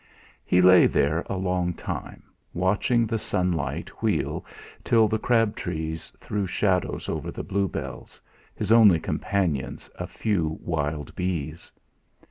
He lay there a long time, watching the sunlight wheel till the crab trees threw shadows over the bluebells, his only companions a few wild bees.